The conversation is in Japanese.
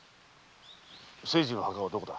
清次の墓はどこだ？